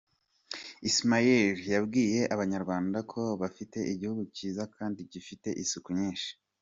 Ismaël Lô yabwiye Abanyarwanda ko bafite igihugu cyiza kandi gifite isuku nyinshi.